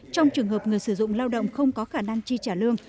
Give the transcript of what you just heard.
trong trường hợp người sử dụng lao động không có khả năng chi trả lương